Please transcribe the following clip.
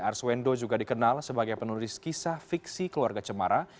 arswendo juga dikenal sebagai penulis kisah fiksi keluarga cemara